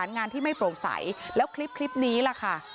งานที่ไม่โปร่งใสแล้วคลิปนี้ล่ะค่ะ